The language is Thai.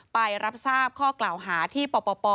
ไปรับทราบข้อกล่าวหาที่ป่อป่อป่อ